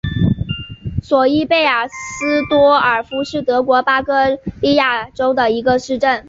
索伊贝尔斯多尔夫是德国巴伐利亚州的一个市镇。